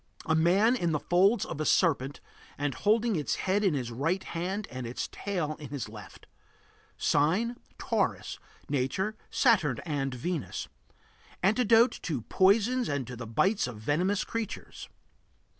A man in the folds of a serpent and holding its head in his right hand and its tail in his left. Sign: Taurus. Nature: Saturn and Venus. Antidote to poisons and to the bites of venomous creatures.